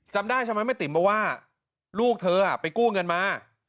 จำได้ใช่ไหมแม่ติ๋มบอกว่าลูกเธอไปกู้เงินมา